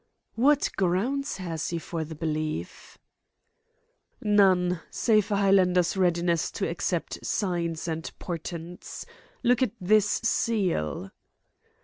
"What grounds has he for the belief?" "None, save a Highlander's readiness to accept signs and portents. Look at this seal."